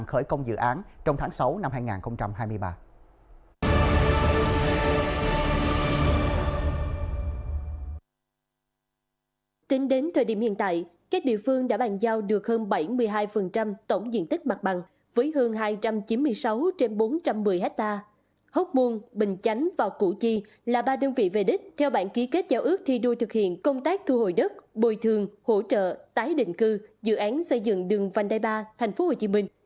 hốc muôn bình chánh và củ chi là ba đơn vị về đích theo bản ký kết giao ước thi đua thực hiện công tác thu hồi đất bồi thường hỗ trợ tái định cư dự án xây dựng đường văn đai ba tp hcm